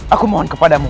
aku mohon kepadamu